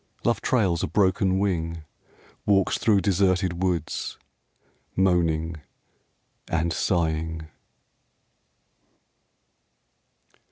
Love trails a broken wing, Walks through deserted woods, moaning and sighing.